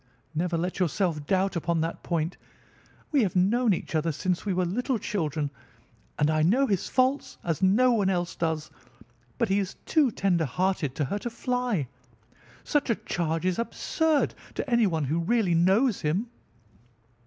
Never let yourself doubt upon that point. We have known each other since we were little children, and I know his faults as no one else does; but he is too tender hearted to hurt a fly. Such a charge is absurd to anyone who really knows him."